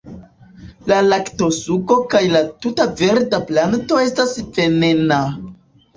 La laktosuko kaj la tuta verda planto estas venena.